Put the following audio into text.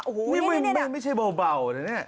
โอ้โหนี่นี่มันไม่ใช่เบาน่ะเนี่ย